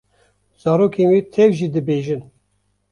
Zarokên wê tev jî dibêjin.